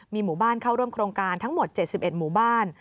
มีหมู่บ้านเข้าร่วมโครงการทั้งหมด๗๑หมู่บ้าน